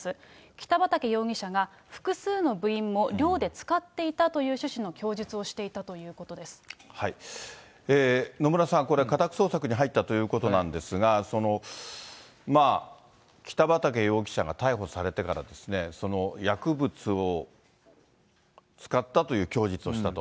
北畠容疑者が複数の部員も寮で使っていたという趣旨の供述をして野村さん、これ家宅捜索に入ったということなんですが、北畠容疑者が逮捕されてから、薬物を使ったという供述をしたと。